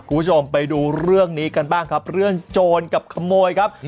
คุณผู้ชมไปดูเรื่องนี้กันบ้างครับเรื่องโจรกับขโมยครับ